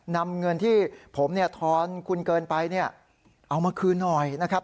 นำเงินที่ผมทอนคุณเกินไปเอามาคืนน่อยนะครับ